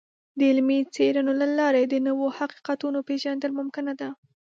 د علمي څیړنو له لارې د نوو حقیقتونو پیژندل ممکنه ده.